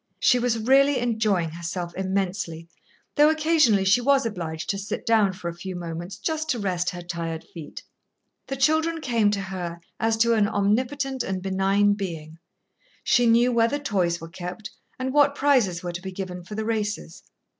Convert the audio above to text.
She was really enjoying herself immensely, though occasionally she was obliged to sit down for a few moments just to rest her tired feet. The children came to her as to an omnipotent and benign being. She knew where the toys were kept and what prizes were to be given for the races.